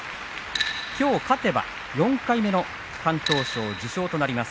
きょう勝てば４回目の敢闘賞受賞となります。